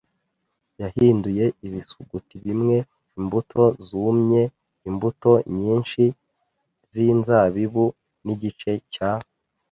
yahinduye ibisuguti bimwe, imbuto zumye, imbuto nyinshi zinzabibu, nigice cya